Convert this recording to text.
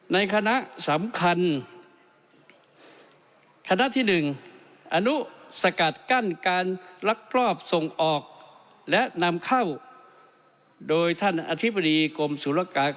ในคณะสำคัญคณะที่๑อนุสกัดกั้นการลักลอบส่งออกและนำเข้าโดยท่านอธิบดีกรมศุลกา